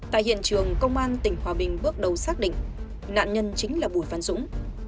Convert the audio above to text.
tại hiện trường công an tỉnh hòa bình bước đầu xác định nạn nhân chính là bùi văn dũng